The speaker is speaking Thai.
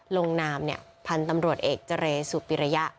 ลงนามพันธุ์ตำรวจเอกเจรสุปิริยะ